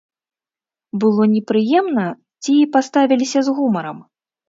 Было непрыемна ці паставіліся з гумарам?